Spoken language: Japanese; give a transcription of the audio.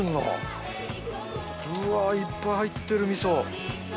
うわいっぱい入ってる味噌。